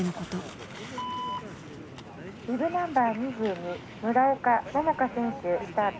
「ビブナンバー２２村岡桃佳選手スタート」。